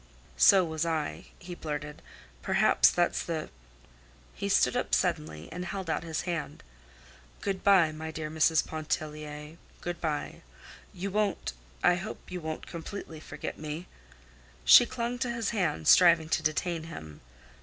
"So was I," he blurted. "Perhaps that's the—" He stood up suddenly and held out his hand. "Good by, my dear Mrs. Pontellier; good by. You won't—I hope you won't completely forget me." She clung to his hand, striving to detain him.